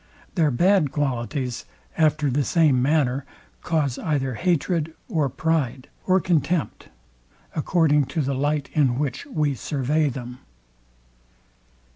Their bad qualities, after the same manner, cause either hatred, or pride, or contempt, according to the light in which we survey them.